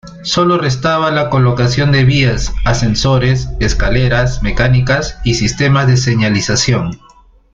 Solo restaba la colocación de vías, ascensores, escaleras mecánicas y sistemas de señalización.